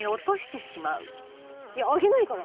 いやあげないから。